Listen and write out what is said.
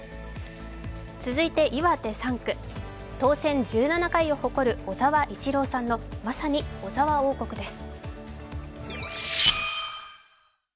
続いて、岩手３区当選１７回を誇る小沢一郎さんのまさに小沢王国です。